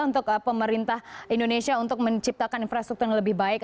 untuk pemerintah indonesia untuk menciptakan infrastruktur yang lebih baik